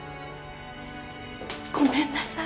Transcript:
ごめんなさい。